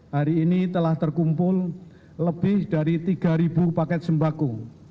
hari ini telah terkumpul lebih dari tiga paket sembako